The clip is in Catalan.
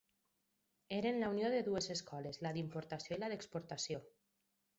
Eren la unió de dues escoles: la d'importació i la d'exportació